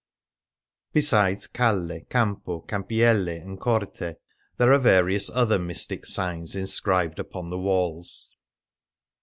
Besides calUy campo^ campiello, and corte, there are various other mystic signs inscribed upon the walls.